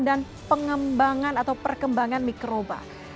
dan pengembangan atau perkembangan mikroba